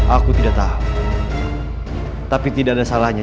aku tidak tahu tapi tidak ada salahnya